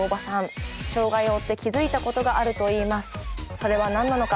それは何なのか？